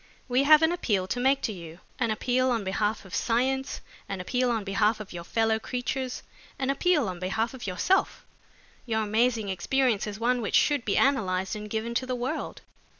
"We have an appeal to make to you, an appeal on behalf of science, an appeal on behalf of your fellow creatures, an appeal on behalf of yourself. Your amazing experience is one which should be analyzed and given to the world."